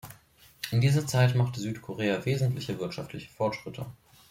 In dieser Zeit machte Südkorea wesentliche wirtschaftliche Fortschritte.